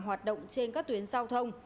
hoạt động trên các tuyến giao thông